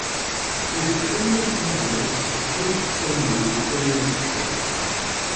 He is a prominent novelist of post-Stonewall gay literature.